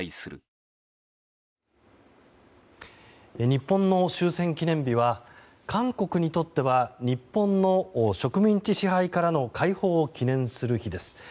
日本の終戦記念日は韓国にとっては日本の植民地支配からの解放を記念する日です。